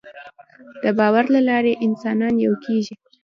د باور له لارې انسانان یو کېږي.